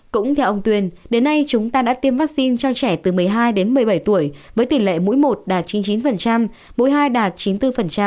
cũng theo ông tuyền đến nay chúng ta đã tiêm vaccine cho trẻ từ một mươi hai đến một mươi bảy tuổi với tỷ lệ mũi một đạt chín mươi chín mũi hai đạt chín mươi bốn